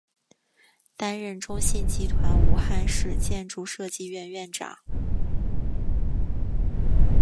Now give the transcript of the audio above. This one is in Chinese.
担任中信集团武汉市建筑设计院院长。